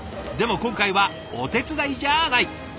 でも今回はお手伝いじゃない！